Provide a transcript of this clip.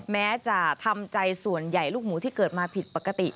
แม้จะทำใจส่วนใหญ่ลูกหมูที่เกิดมาผิดปกติ